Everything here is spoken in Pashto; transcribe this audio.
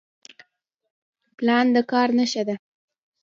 پلان د کار نقشه ده